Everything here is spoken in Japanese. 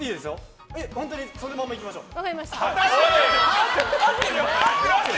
そのままいきましょう！